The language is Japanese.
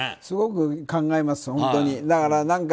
すごく考えます、本当に。